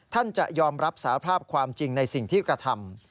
จะยอมรับสาภาพความจริงในสิ่งที่กระทำ